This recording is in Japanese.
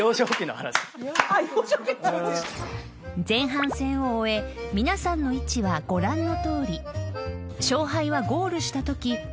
［前半戦を終え皆さんの位置はご覧のとおり］